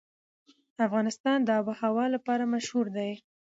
افغانستان د آب وهوا لپاره مشهور دی.